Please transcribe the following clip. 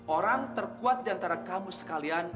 orang terkuat diantara kamu sekalian